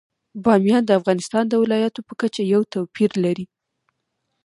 بامیان د افغانستان د ولایاتو په کچه یو توپیر لري.